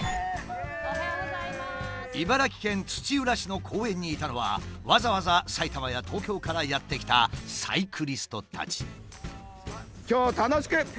茨城県土浦市の公園にいたのはわざわざ埼玉や東京からやって来たサイクリストたち。